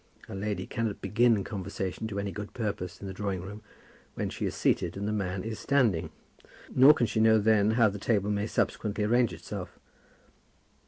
A lady cannot begin conversation to any good purpose in the drawing room, when she is seated and the man is standing; nor can she know then how the table may subsequently arrange itself.